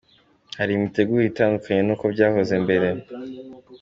hari imitegurire itandukanye n’uko byahoze mbere.